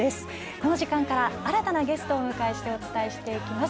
この時間から新たなゲストをお迎えしてお伝えしていきます。